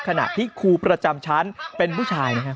ขณะที่ครูประจำชั้นเป็นผู้ชายนะครับ